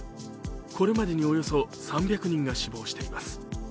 これまでに、およそ３００人が死亡しています。